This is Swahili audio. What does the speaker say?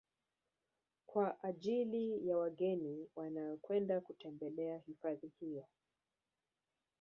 Kwa ajili ya wageni wanaokwenda kutembelea hifadhi hiyo